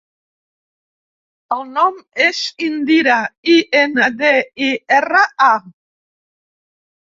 El nom és Indira: i, ena, de, i, erra, a.